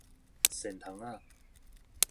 蟮蟲仔